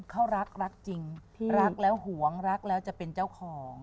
เขารักรักจริงรักแล้วหวงรักแล้วจะเป็นเจ้าของ